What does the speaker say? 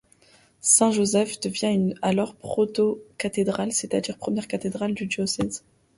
Saint-Joseph devient alors proto-cathédrale, c'est-à-dire première cathédrale du diocèse.